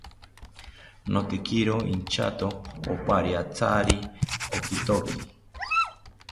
Notekiro inchato opariantyari okithoki